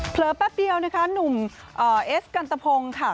แป๊บเดียวนะคะหนุ่มเอสกันตะพงค่ะ